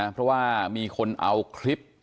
เพราะว่ามีคนเอาคลิป